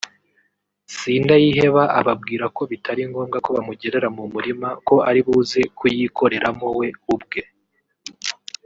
Sindayiheba ababwira ko bitari ngombwa ko bamugerera mu isambu ko aribuze kuyikoreramo we ubwe